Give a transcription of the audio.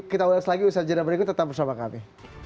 kita ulas lagi usaha jadwal berikut tetap bersama kami